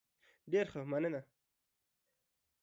ډیر ښه، مننه.